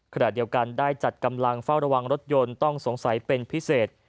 ขณะเดียวกันได้จัดกำลังเฝ้าระวังรถยนต์ต้องสงสัยเป็นพิเศษ